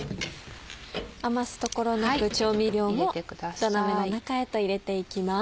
余すところなく調味料も土鍋の中へと入れていきます。